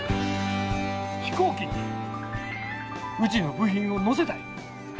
飛行機にうちの部品を乗せたい。